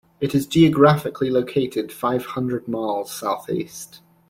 It is geographically located five hundred miles south-east.